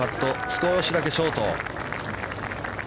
少しだけショート。